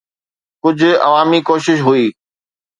ڪجهه عوامي ڪوشش هئي.